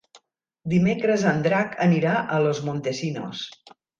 Dimecres en Drac anirà a Los Montesinos.